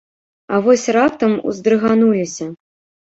А вось раптам уздрыгануліся.